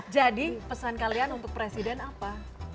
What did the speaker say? jadi pesan kalian untuk presiden apa